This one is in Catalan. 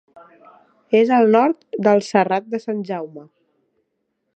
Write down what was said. És al nord del Serrat de Sant Jaume.